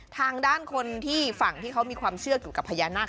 ทางด้านคนที่ฝั่งที่เขามีความเชื่อเกี่ยวกับพญานาค